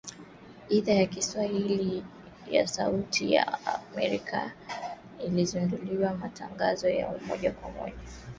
Idhaa ya Kiswahili ya Sauti ya Amerika ilizindua matangazo ya moja kwa moja